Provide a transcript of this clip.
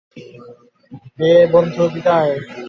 হে বন্ধু, বিদায়।